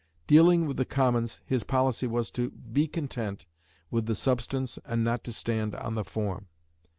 Dealing with the Commons, his policy was "to be content with the substance and not to stand on the form."